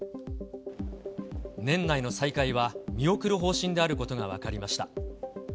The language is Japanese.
年内の再開は見送る方針であることが分かりました。